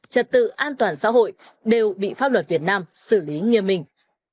trật tự an toàn xã hội đều bị pháp luật việt nam xử lý nghiêm minh